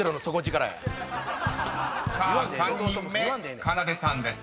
［さあ３人目かなでさんです］